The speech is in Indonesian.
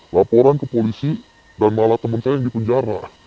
laporan ke polisi dan malah teman saya yang dipenjara